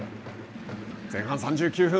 前半３９分。